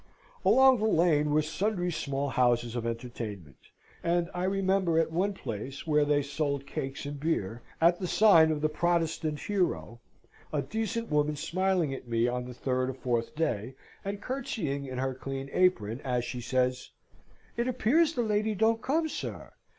Along the lane were sundry small houses of entertainment; and I remember at one place, where they sold cakes and beer, at the sign of the Protestant Hero, a decent woman smiling at me on the third or fourth day, and curtseying in her clean apron, as she says, "It appears the lady don't come, sir!